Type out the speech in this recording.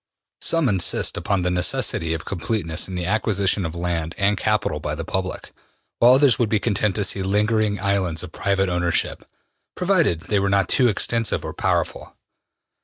Some insist upon the necessity of completeness in the acquisition of land and capital by the public, while others would be content to see lingering islands of private ownership, provided they were not too extensive or powerful.